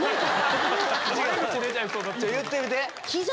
言ってみて。